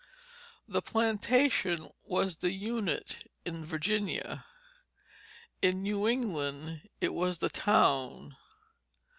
The plantation was the unit in Virginia; in New England it was the town.